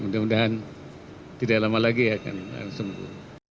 mudah mudahan tidak lama lagi akan sembuh